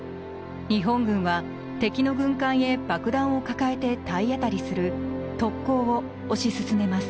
日本軍は敵の軍艦へ爆弾を抱えて体当たりする特攻を推し進めます。